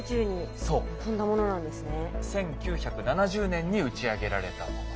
１９７０年に打ち上げられたもの。